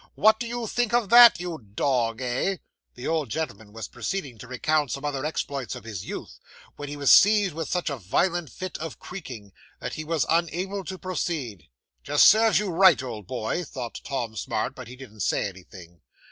What do you think of that, you dog, eh!" The old gentleman was proceeding to recount some other exploits of his youth, when he was seized with such a violent fit of creaking that he was unable to proceed. '"Just serves you right, old boy," thought Tom Smart; but he didn't say anything.